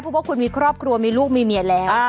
เพราะว่าคุณมีครอบครัวมีลูกมีเมียแล้ว